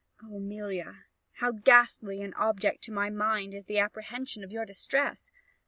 O, Amelia! how ghastly an object to my mind is the apprehension of your distress!